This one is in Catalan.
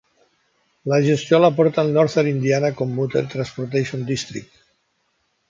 La gestió la porta el Northern Indiana Commuter Transportation District.